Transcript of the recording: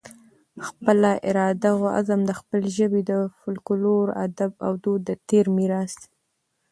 خپله اراده اوعزم د خپلې ژبې د فلکلور، ادب اودود د تیر میراث